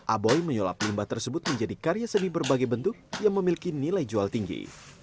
aboy menyulap limbah tersebut menjadi karya seni berbagai bentuk yang memiliki nilai jual tinggi